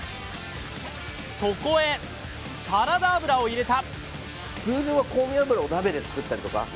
そこへサラダ油を入れた。